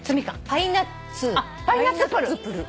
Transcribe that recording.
パイナッツプル。